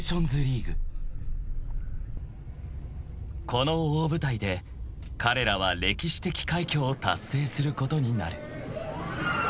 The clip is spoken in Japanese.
［この大舞台で彼らは歴史的快挙を達成することになる］